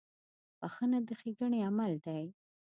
• بخښنه د ښېګڼې عمل دی.